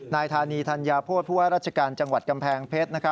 นายทานีธัญญาโภตพรจังหวัดกำแพงเพชร